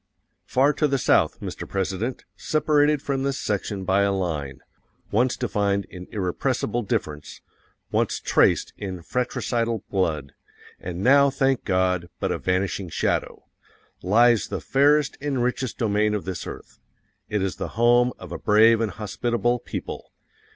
Far to the South, Mr. President, separated from this section by a line _once defined in irrepressible difference, once traced in fratricidal blood, AND NOW, THANK GOD, BUT A VANISHING SHADOW lies the fairest and richest domain of this earth. It is the home of a brave and hospitable people.